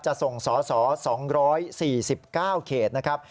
จะส่งสอสอ๒๔๙เขตนะครับ